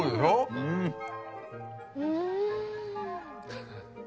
うん。